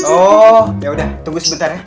oh yaudah tunggu sebentar ya